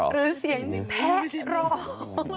หรือเสียงแพะร้อง